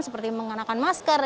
seperti menggunakan masker